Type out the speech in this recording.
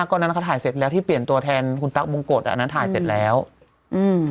ตอนนั้นเขาถ่ายเสร็จแล้วที่เปลี่ยนตัวแทนคุณตั๊กบงกฎอันนั้นถ่ายเสร็จแล้วอืม